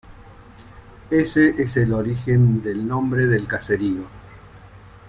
Ese es el origen del nombre del caserío.